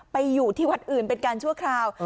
อยู่ที่วัดอื่นเป็นการชั่วคราว